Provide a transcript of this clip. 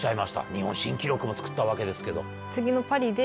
日本新記録もつくったわけですけど。